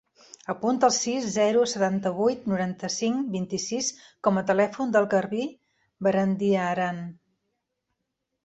Apunta el sis, zero, setanta-vuit, noranta-cinc, vint-i-sis com a telèfon del Garbí Barandiaran.